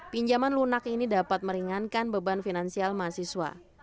pinjaman lunak ini dapat meringankan beban finansial mahasiswa